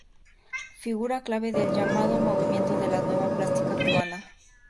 Figura clave del llamado Movimiento de la Nueva Plástica Cubana.